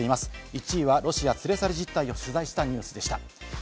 １位はロシア連れ去り実態を取材したニュースでした。